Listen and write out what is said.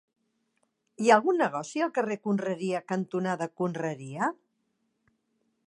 Hi ha algun negoci al carrer Conreria cantonada Conreria?